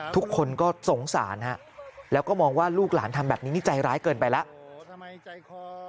ทุกคนก็สงสารแล้วก็มองว่าลูกหลานทำแบบนี้นี่ใจร้ายเกินไปแล้ว